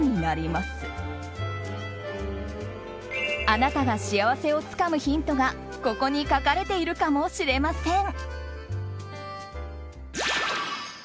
あなたが幸せをつかむヒントがここに書かれているかもしれません。